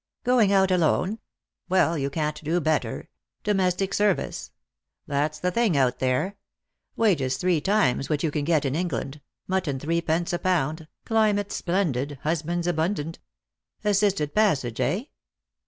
" Going out alone ? Well, you can't do better. Domestic service ? That's the thing out there ; wages three times what you can get in England, mutton threepence a pound, climate splendid, husbands abundant. Assisted passage, eh?